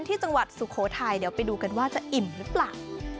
ที่จังหวัดสุโขทัยเดี๋ยวไปดูกันว่าจะอิ่มหรือเปล่า